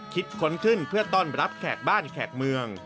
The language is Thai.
ค้นขึ้นเพื่อต้อนรับแขกบ้านแขกเมือง